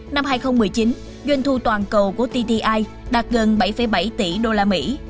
năm hai nghìn một mươi chín doanh thu toàn cầu của tti đạt gần bảy bảy tỷ đô la mỹ